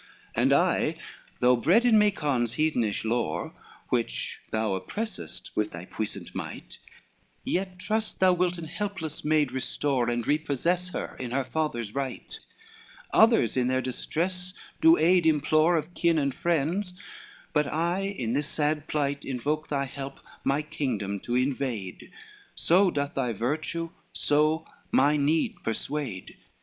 XL "And I though bred in Macon's heathenish lore, Which thou oppressest with thy puissant might, Yet trust thou wilt an helpless maid restore, And repossess her in her father's right: Others in their distress do aid implore Of kin and friends; but I in this sad plight Invoke thy help, my kingdom to invade, So doth thy virtue, so my need persuade.